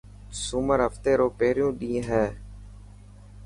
سومر هفتي رو پهريون ڏينهن هي.